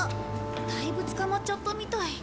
だいぶ捕まっちゃったみたい。